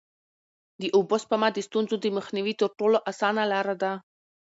د اوبو سپما د ستونزو د مخنیوي تر ټولو اسانه لاره ده.